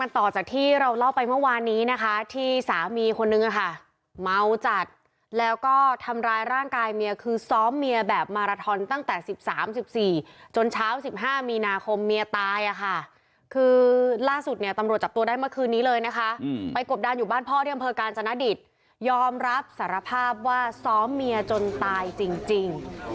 ต่อจากที่เราเล่าไปเมื่อวานนี้นะคะที่สามีคนนึงค่ะเมาจัดแล้วก็ทำร้ายร่างกายเมียคือซ้อมเมียแบบมาราทอนตั้งแต่๑๓๑๔จนเช้า๑๕มีนาคมเมียตายอะค่ะคือล่าสุดเนี่ยตำรวจจับตัวได้เมื่อคืนนี้เลยนะคะไปกบดานอยู่บ้านพ่อที่อำเภอกาญจนดิตยอมรับสารภาพว่าซ้อมเมียจนตายจริง